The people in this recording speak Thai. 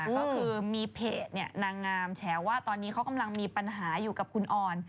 ก็คือมีเพจนางงามแฉว่าตอนนี้เขากำลังมีปัญหาอยู่กับคุณออน